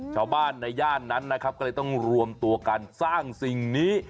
ชาวบ้านในย่านนั้นคงต้องรวมตัวการสร้างสิ่งนี้